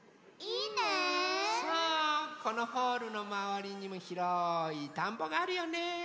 このホールのまわりにもひろいたんぼがあるよね。